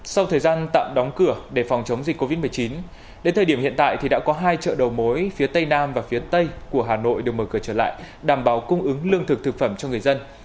sau thời gian tạm đóng cửa để phòng chống dịch covid một mươi chín đến thời điểm hiện tại thì đã có hai chợ đầu mối phía tây nam và phía tây của hà nội được mở cửa trở lại đảm bảo cung ứng lương thực thực phẩm cho người dân